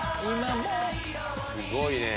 すごいね。